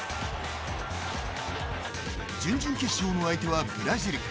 準々決勝の相手はブラジル。